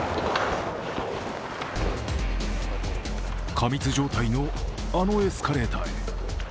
過密状態の、あのエスカレーターへ。